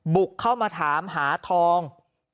บุกเข้ามาถามหาทอง